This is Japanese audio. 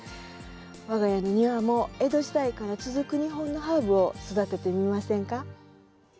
我が家の庭も江戸時代から続く日本のハーブを育ててみませんか？